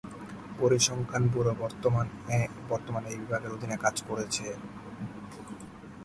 পরিসংখ্যান ব্যুরো বর্তমানে এই বিভাগের অধীনে কাজ করছে।